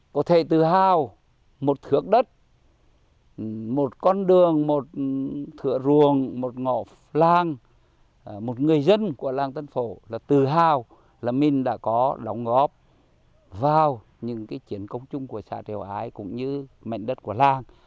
có thể tự hào một khước đất một con đường một thượng ruồng một ngõ làng một người dân của làng tân phổ là tự hào là mình đã có đóng góp vào những chiến công chung của xã triều ái cũng như mảnh đất của làng